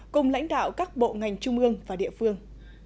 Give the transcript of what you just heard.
cùng lãnh đạo các bộ ngành trung ương và địa phương